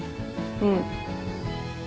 うん。